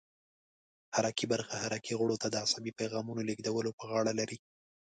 حرکي برخه حرکي غړو ته د عصبي پیغامونو لېږدولو په غاړه لري.